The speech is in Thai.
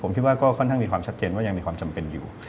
ผมคิดว่าก็ค่อนข้างมีความชัดเจนว่ายังมีความจำเป็นอยู่